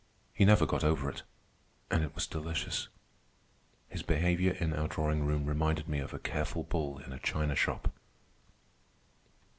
He never got over it, and it was delicious. His behavior in our drawing room reminded me of a careful bull in a china shop.